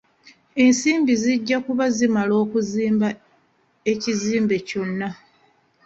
Ensimbi zijja kuba zimala okuzimba ekizimbe kyonna.